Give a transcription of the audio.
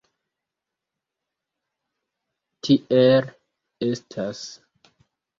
Tiel estas.